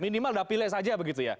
minimal dapilnya saja begitu ya